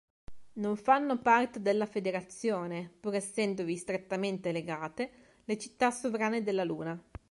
Non fanno parte della Federazione, pur essendovi strettamente legate, le città sovrane della Luna.